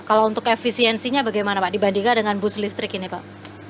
kalau untuk efisiensinya bagaimana pak dibandingkan dengan bus listrik ini pak